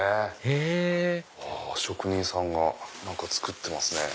へぇ職人さんが何か作ってますね。